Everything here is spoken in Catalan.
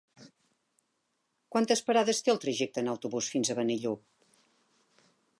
Quantes parades té el trajecte en autobús fins a Benillup?